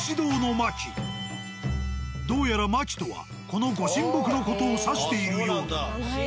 どうやらマキとはこの御神木の事を指しているようだ。